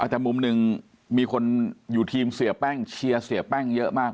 แต่มุมหนึ่งมีคนอยู่ทีมเสียแป้งเชียร์เสียแป้งเยอะมาก